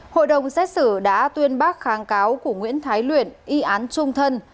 hội đồng xét xử đã tuyên bác kháng cáo của nguyễn thái luyện y án trung thân